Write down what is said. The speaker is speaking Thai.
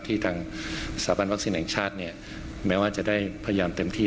ทางสถาบันวัคซีนแห่งชาติเนี่ยแม้ว่าจะได้พยายามเต็มที่